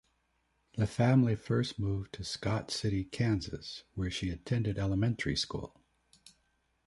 The family first moved to Scott City, Kansas, where she attended elementary school.